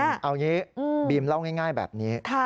เอางี้บีมเล่าง่ายแบบนี้